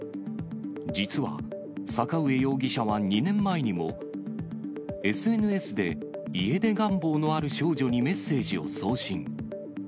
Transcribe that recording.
実は、阪上容疑者は２年前にも、ＳＮＳで家出願望のある少女にメッセージを送信。